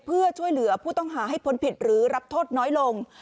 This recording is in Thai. เพื่อช่วยเหลือผู้ต้องหาให้พ้นผิดหรือรับโทษน้อยลง